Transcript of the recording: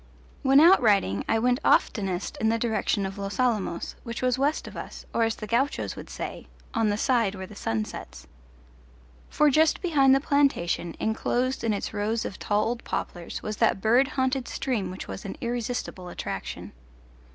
When out riding I went oftenest in the direction of Los Alamos, which was west of us, or as the gauchos would say, "on the side where the sun sets." For just behind the plantation, enclosed in its rows of tall old poplars, was that bird haunted stream which was an irresistible attraction.